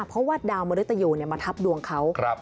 เพราะว่าดาวมริตยูมาทับดวงเขา